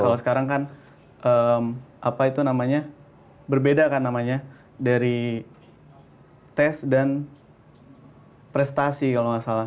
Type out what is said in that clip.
kalau sekarang kan apa itu namanya berbeda kan namanya dari tes dan prestasi kalau nggak salah